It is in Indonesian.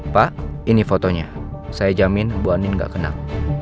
pak ini fotonya saya jamin bu andin gak kenal